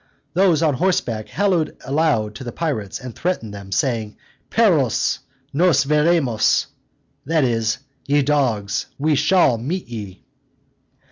Those on horseback hallooed aloud to the pirates, and threatened them, saying, "Perros! nos veremos," that is, "Ye dogs! we shall meet ye."